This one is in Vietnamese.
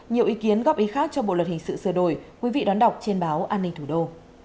nhiều ý kiến góp ý khác cho bộ luật hình sự sửa đổi quý vị đón đọc trên báo an ninh thủ đô